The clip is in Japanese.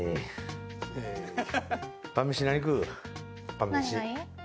晩飯。